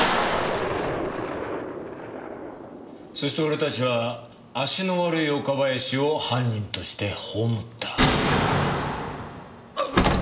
そして俺たちは足の悪い岡林を犯人として葬った。